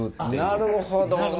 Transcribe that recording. なるほど。